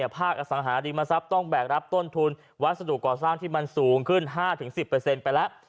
ภาคอสังหาริมทรัพย์ต้องแบกรับต้นทุนวัสดุก่อสร้างที่มันสูงขึ้น๕๑๐ไปแล้ว